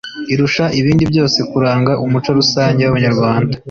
irusha ibindi byose kuranga umuco rusange w'a banyarwanda